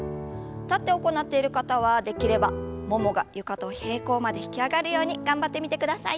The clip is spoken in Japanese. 立って行っている方はできればももが床と平行まで引き上がるように頑張ってみてください。